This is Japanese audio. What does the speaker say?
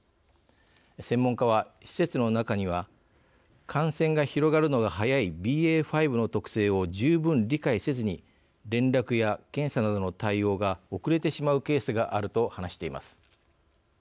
専門家は、施設の中には感染が広がるのが早いＢＡ．５の特性を十分理解せずに連絡や検査などの対応が遅れてしまうケースがあると話しています。